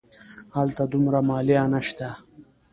هلته دومره مالیه نه شته.